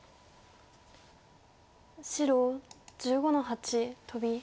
白１５の八トビ。